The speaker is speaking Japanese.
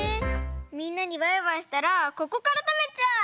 みんなにバイバイしたらここからたべちゃう！